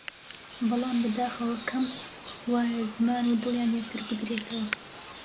بەڵام بەداخەوە کەم وایە زمان و دڵیان یەکتر بگرێتەوە!